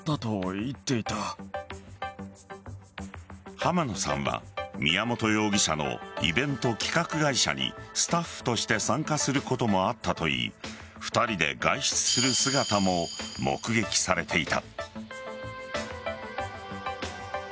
濱野さんは宮本容疑者のイベント企画会社にスタッフとして参加することもあったといい２人で外出する姿も目撃されていた。